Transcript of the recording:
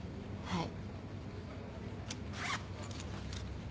はい。